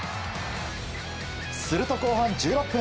すると後半１６分。